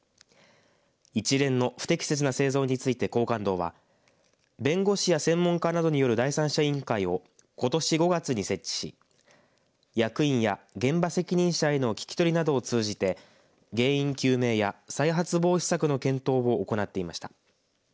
一連の不適切な製造について廣貫堂は弁護士や専門家などによる第三者委員会をことし５月に設置し役員や現場責任者への聞き取りなどを通じて原因究明や再発防止策の検討を行っていました。